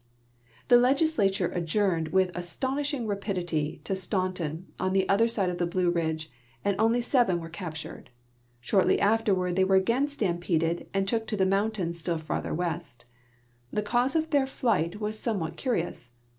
The legislature adjourned with astonishing rai)idit}'' to Staun ton, on the other side of the Blue Ridge, and only seven were captured. Shortly afterward they were again stampeded, and took to the mountains still farther west. The cause of their flight was somewhat curious.